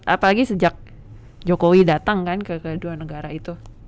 apalagi sejak jokowi datang kan ke kedua negara itu